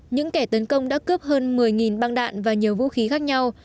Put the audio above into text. những kẻ tấn công đã cướp hơn một mươi băng đạn và nhiều vũ khí khác nhau